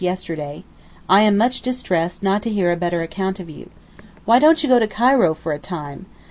yesterday. I am much distressed not to hear a better account of you. Why don't you go to Cairo for a time?